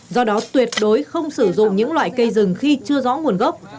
do đó tuyệt đối không sử dụng những loại cây rừng khi chưa rõ nguồn gốc